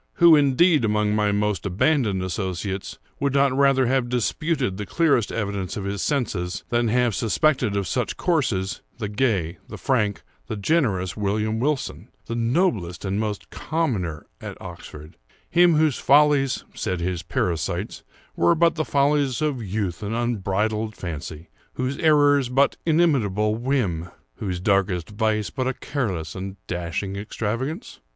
Who, indeed, among my most abandoned associates, would not rather have disputed the clearest evidence of his senses, than have suspected of such courses, the gay, the frank, the generous William Wilson—the noblest and most liberal commoner at Oxford—him whose follies (said his parasites) were but the follies of youth and unbridled fancy—whose errors but inimitable whim—whose darkest vice but a careless and dashing extravagance?